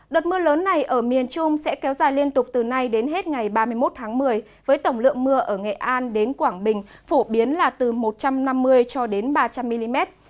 đợt mưa lớn này ở miền trung sẽ kéo dài liên tục từ nay đến hết ngày ba mươi một tháng một mươi với tổng lượng mưa ở nghệ an đến quảng bình phổ biến là từ một trăm năm mươi cho đến ba trăm linh mm